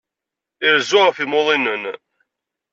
Irezzu ɣef yimuḍinen.